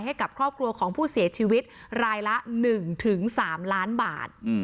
ให้กับครอบครัวของผู้เสียชีวิตรายละ๑๓ล้านบาท